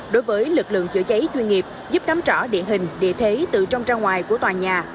đối với lực lượng chữa cháy chuyên nghiệp giúp đắm trỏ địa hình địa thế từ trong trang ngoài của tòa nhà